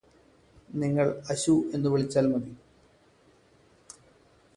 നിങ്ങള് അശു എന്നുവിളിച്ചാൽ മതി